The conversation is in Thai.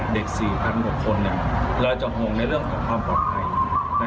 เด็ก๔๐๐๐บาทกว่าคนเราจะห่วงในเรื่องกับความปลอดภัย